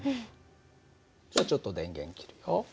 じゃあちょっと電源切るよ。